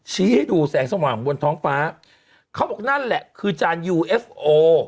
ชี้ให้ดูแสงสว่างบนท้องฟ้าเขาบอกนั่นแหละคือจานยูเอฟโอ